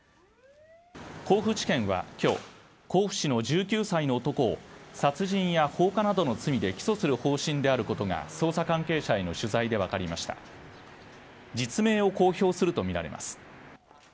甲府地検はきょう甲府市の１９歳の男を殺人や放火などの罪で起訴する方針であることが捜査関係者への取材で分かりました実名を公表するとみられます